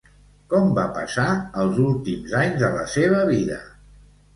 Com va passar els últims anys de la seva vida?